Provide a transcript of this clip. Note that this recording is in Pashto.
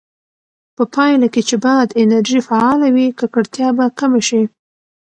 په پایله کې چې باد انرژي فعاله وي، ککړتیا به کمه شي.